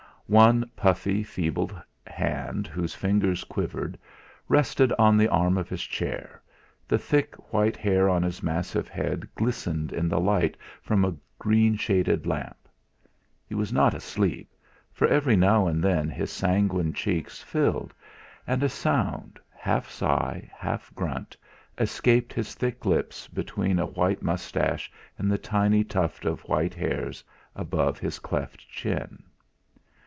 One puffy, feeble hand, whose fingers quivered, rested on the arm of his chair; the thick white hair on his massive head glistened in the light from a green shaded lamp. He was not asleep, for every now and then his sanguine cheeks filled, and a sound, half sigh, half grunt, escaped his thick lips between a white moustache and the tiny tuft of white hairs above his cleft chin.